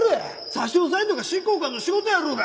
差し押さえるのが執行官の仕事やろうが！